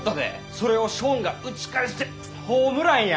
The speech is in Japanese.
それをショーンが打ち返してホームランや！